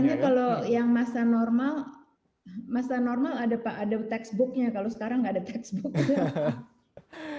sebenarnya kalau yang masa normal masa normal ada textbooknya kalau sekarang nggak ada textbook